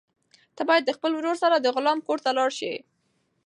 ته باید د خپل ورور سره د غلام کور ته لاړ شې.